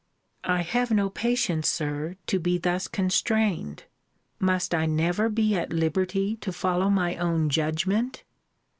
I have no patience, Sir, to be thus constrained. Must I never be at liberty to follow my own judgment?